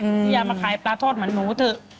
พี่อย่ามาขายปลาทอดเหมือนหนูเถอะ